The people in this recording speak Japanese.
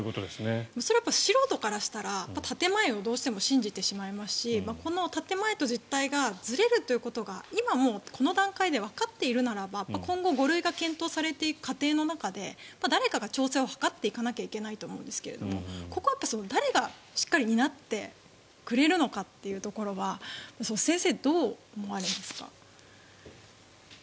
それは素人からすれば、建前をどうしても信じてしまいますしこの建前と実態がずれるということが今この段階でわかっているならば、今後５類が検討されていく過程の中で誰かが調整を図っていかなければいけないと思うんですがここは誰がしっかり担ってくれるのかというところは先生、どう思われますか？